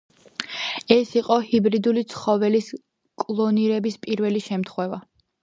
ეს იყო ჰიბრიდული ცხოველის კლონირების პირველი შემთხვევა.